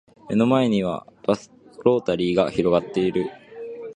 目の前にはバスロータリーが広がっている